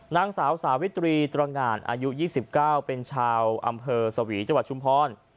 นางสาวสาวิตรีตรงานอายุ๒๙เป็นชาวอำเภอสวีจังหวัดชุมพร